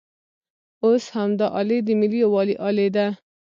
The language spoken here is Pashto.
اوس همدا الې د ملي یووالي الې ده.